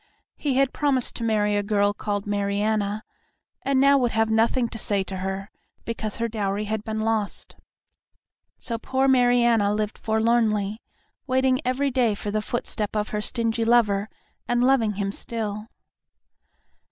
He had promised to marry a girl called Mariana, and now would have nothing to say to her, because her dowry had been lost. So poor Mariana lived forlornly, waiting every day for the footstep of her stingy lover, and loving him still.